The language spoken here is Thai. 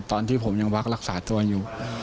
ตอนที่ผมยังวักรักษาตัวอยู่